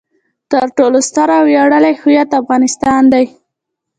تر ټولو ستر او ویاړلی هویت افغانستان دی.